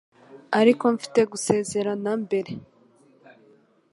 ariko mfite gusezerana mbere.